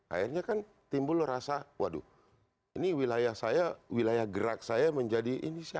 akhirnya kan timbul rasa waduh ini wilayah saya wilayah gerak saya menjadi ini siapa